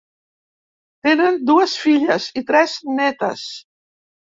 Tenen dues filles i tres netes.